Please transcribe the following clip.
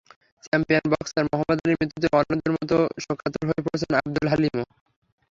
Champion boxer Muhammad আলীর মৃত্যুতে অন্যদের মতো শোকাতুর হয়ে পড়েছেন আবদুল হালিমও।